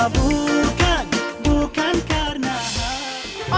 bukan bukan karena hati